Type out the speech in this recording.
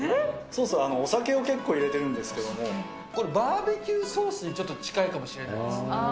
ソースはお酒を結構入れてるんですけども、これ、バーベキューソースにちょっと近いかもしれないですね。